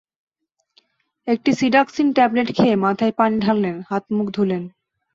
একটি Seduxen tablet খেয়ে মাথায় পানি ঢাললেন, হাত-মুখ ধুলেন।